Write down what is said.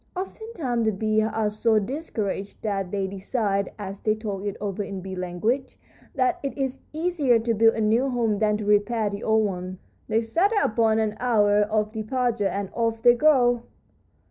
Oftentimes the bees are so discouraged that they decide, as they talk it over in bee language, that it is easier to build a new home than to repair the old one. They settle upon an hour of departure, and off they go."